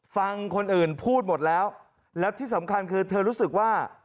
ฟังคนอื่นพูดหมดแล้วแล้วที่สำคัญคือเธอรู้สึกว่า